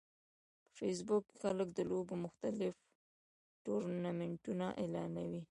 په فېسبوک کې خلک د لوبو مختلف ټورنمنټونه اعلانوي